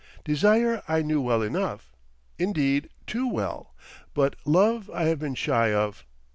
Desire I knew well enough—indeed, too well; but love I have been shy of.